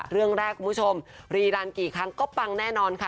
เรื่องแรกคุณผู้ชมรีรันกี่ครั้งก็ปังแน่นอนค่ะ